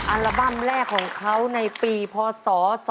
อัลบั้มแรกของเขาในปีพศ๒๕๖